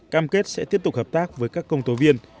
cam kết sẽ tiếp tục hợp tác với các công tố viên